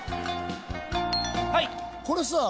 これさ